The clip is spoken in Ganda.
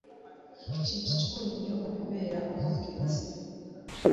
Kintu kikulu nnyo okubeera omukkiriza.